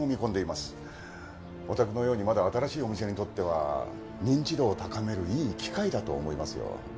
お宅のようにまだ新しいお店にとっては認知度を高めるいい機会だと思いますよ。